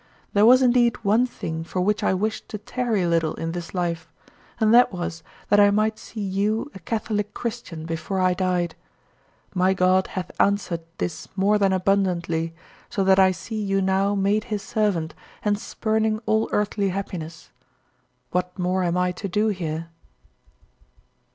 There was indeed one thing for which I wished to tarry a little in this life, and that was that I might see you a Catholic Christian before I died. My God hath answered this more than abundantly, so that I see you now made his servant and spurning all earthly happiness. What more am I to do here?"